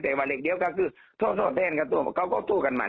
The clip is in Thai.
แต่ว่าเดี๋ยวก็คือท่อท่อแทนกับตัวเขาก็สู้กันมา